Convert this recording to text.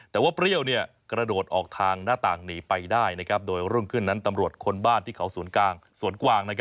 แต่ว่าเปรี้ยวกระโดดออกทางหน้าต่างหนีไปได้โดยรุ่งขึ้นนั้นตำรวจคนบ้านที่เขาสวนกลางสวนกวาง